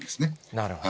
なるほど。